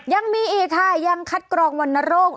ยังมีอีกค่ะยังคัดกรองวรรณโรค